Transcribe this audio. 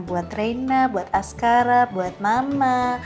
buat reina buat askara buat mama